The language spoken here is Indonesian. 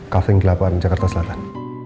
kaving delapan jakarta selatan